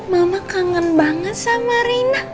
mama kangen banget sama rina